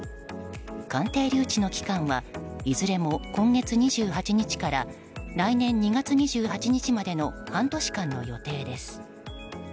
鑑定留置の期間はいずれも今月２８日から来年２月２８日までの半年間の予定です。